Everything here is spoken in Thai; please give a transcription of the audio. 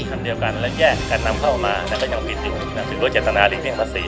ทั้งเดียวกันและแยกการนำเข้ามาและก็ยังผิดอยู่ถึงด้วยเจตนาฬินิยมภาษี